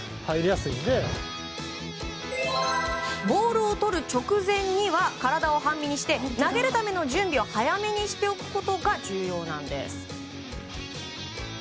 ボールをとる直前には体を半身にして投げるための準備を早めにしておくことが重要なんです。